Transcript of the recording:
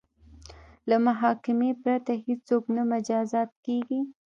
له محاکمې پرته هیڅوک نه مجازات کیږي.